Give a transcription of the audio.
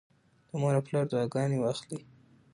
د مور او پلار دعاګانې واخلئ.